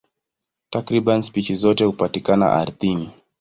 Takriban spishi zote hupatikana ardhini.